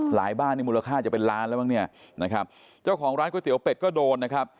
บ้านนี่มูลค่าจะเป็นล้านแล้วมั้งเนี่ยนะครับเจ้าของร้านก๋วยเตี๋ยวเป็ดก็โดนนะครับ